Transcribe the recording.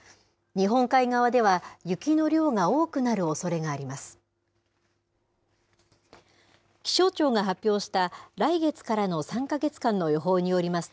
日本海側では、雪の量が多くなるおそれがあります。